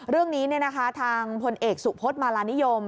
เรื่องนี้ทางพลเอกสุพธมาลานิยม